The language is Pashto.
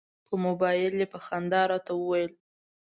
په مبایل یې په خندا راته وویل.